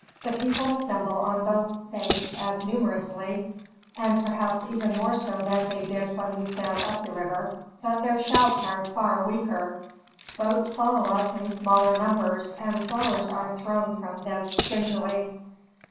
The people assemble on both banks as numerously, and perhaps even more so than they did when we sailed up the river, but their shouts are far weaker, boats follow us in smaller numbers, and flowers are thrown from them stingily."